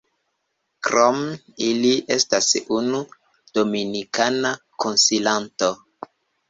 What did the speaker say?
Krom ili, estas unu dominikana konsilanto.